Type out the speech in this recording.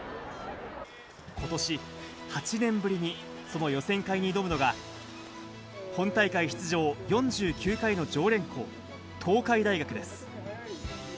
ことし、８年ぶりにその予選会に挑むのが、本大会出場４９回の常連校、東海大学です。